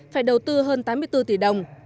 phải đầu tư hơn tám mươi bốn tỷ đồng